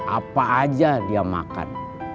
apa aja dia makan